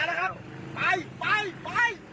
ไอ้แดงไล่ไว้ปีปีปี